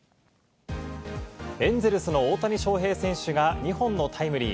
エンゼルスの大谷翔平選手が２本のタイムリー。